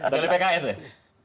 dari pks ya